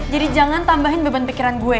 jadi jangan tambahin beban pikiran gue